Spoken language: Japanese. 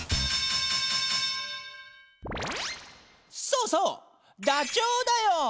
そうそうダチョウだよ。